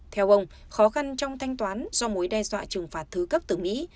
theo ông khó khăn trong thanh toán do mối đe dọa trừng phạt thứ cấp từ mỹ